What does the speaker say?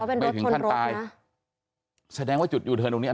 เอาเป็นรถชนรถนะ